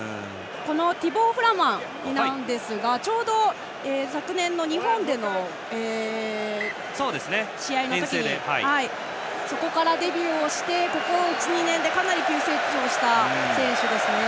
ティボー・フラマンですが昨年の日本での試合の時にそこからデビューしてここ１２年でかなり急成長した選手ですね。